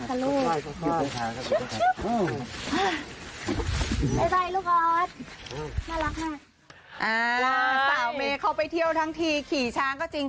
สาวเมย์เขาไปเที่ยวทั้งทีขี่ช้างก็จริง